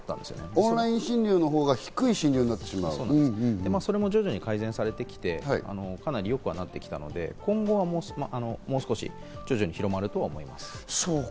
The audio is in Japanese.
オンライン診療のほうが低くそれも徐々に改善されてきて、かなり良くはなってきたので、今後はもう少し徐々に広がるとは思います。